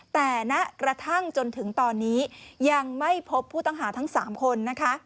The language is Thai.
แต่ณกระทั่งจนถึงตอนนี้ยังไม่พบผู้ต้องหาทั้ง๓คนนะคะ